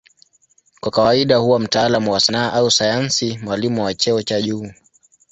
Kwa kawaida huwa mtaalamu wa sanaa au sayansi, mwalimu wa cheo cha juu.